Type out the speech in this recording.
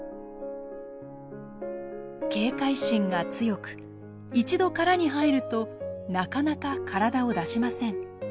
警戒心が強く一度殻に入るとなかなか体を出しません。